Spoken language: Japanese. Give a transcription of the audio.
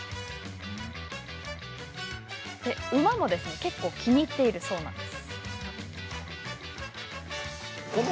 馬も結構気に入っているそうです。